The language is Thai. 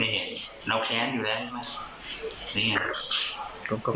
ไม่เห็นน้องแค้นอยู่แหละไม่เห็น